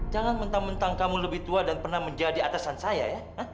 jangan mentang mentang kamu lebih tua dan pernah menjadi atasan saya ya